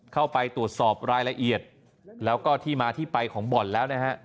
เข้าไปตรวจสอบรายละเอียดแล้วก็ที่มาที่ไปของบ่อนแล้วนะฮะ